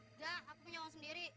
enggak aku punya uang sendiri